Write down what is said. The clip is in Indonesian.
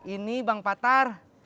ini bang patar